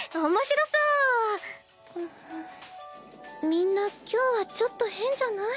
みんな今日はちょっと変じゃない？